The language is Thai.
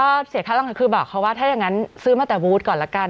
ก็เสียค่าต้องการคือบอกเขาว่าถ้าอย่างนั้นซื้อมาแต่บูธก่อนละกัน